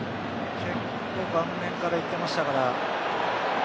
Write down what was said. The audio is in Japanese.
結構顔面からいってましたから。